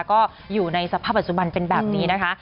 ก็อยู่ในสภาพปัจจุบันเป็นแบบนี้นะคะ